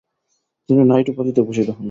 তিনি নাইট উপাধিতে ভূষিত হন।